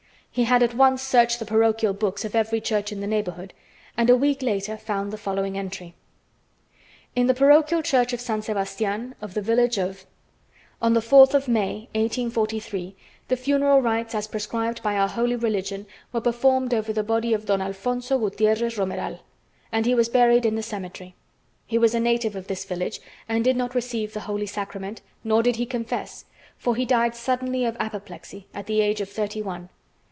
He had at once searched the parochial books of every church in the neighborhood, and a week later found the following entry: "In the parochial church of San Sebastian of the village of , on the 4th of May, 1843, the funeral rites as prescribed by our holy religion were performed over the body of Don Alfonzo Gutierrez Romeral, and he was buried in the cemetery. He was a native of this village and did not receive the holy sacrament, nor did he confess, for he died suddenly of apoplexy at the age of thirty one.